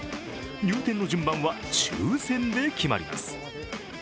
入店の順番は抽選で決まります。